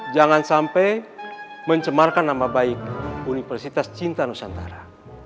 jangan sampai mencemarkan nama baik universitas cinta nusantara